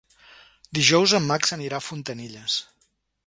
Dijous en Max anirà a Fontanilles.